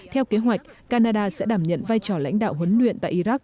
theo kế hoạch canada sẽ đảm nhận vai trò lãnh đạo huấn luyện tại iraq